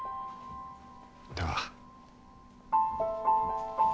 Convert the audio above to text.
では。